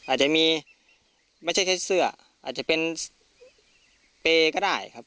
อาจจะมีไม่ใช่แค่เสื้ออาจจะเป็นเปรย์ก็ได้ครับ